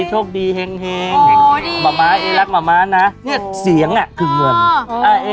ใช้เวลาเดินออกมา